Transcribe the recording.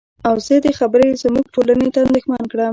او زه دې خبرې زمونږ ټولنې ته اندېښمن کړم.